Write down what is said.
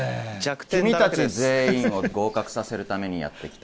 君たち全員を合格させるためにやって来た。